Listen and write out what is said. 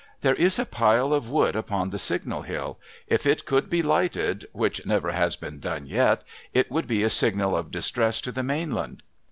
' There is a pile of wood upon the Signal Hill. If it could be lighted — which never has been done yet — it would be a signal of distress to the mainland.'